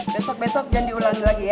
besok besok jangan diulangi lagi ya